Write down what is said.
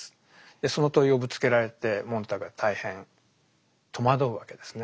でその問いをぶつけられてモンターグは大変戸惑うわけですね。